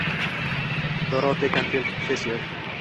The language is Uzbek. Doroti Kanfild Fisher